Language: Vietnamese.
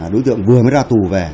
đối tượng vừa mới ra tù về